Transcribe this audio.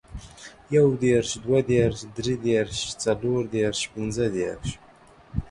يو دېرش، دوه دېرش، دري دېرش ، څلور دېرش، پنځه دېرش،